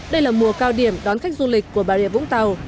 đây là mùa cao điểm đón khách du lịch của bà rịa vũng tàu